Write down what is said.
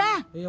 udah sini aja